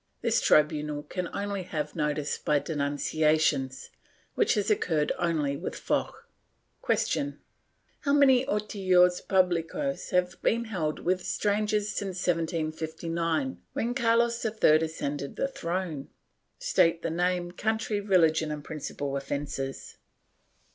This tribunal can only have notice by denunciations, which has occurred only with Foch. Q. How many autillos publicos have been held with strangers since 1759 when Carlos III ascended the throne? State the name, covmtry, religion and principal offences.